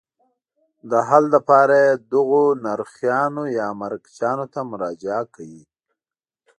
د حل لپاره یې دغو نرخیانو یا مرکچیانو ته مراجعه کوي.